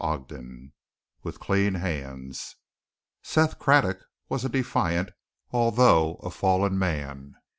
CHAPTER XVII WITH CLEAN HANDS Seth Craddock was a defiant, although a fallen man.